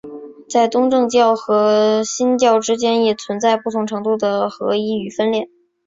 在东正教和新教之间也存在不同程度的合一与分裂。